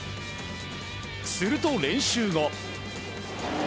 すると、練習後。